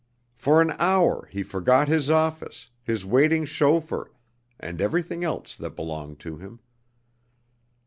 For an hour he forgot his office, his waiting chauffeur, and everything else that belonged to him.